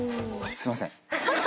すいません。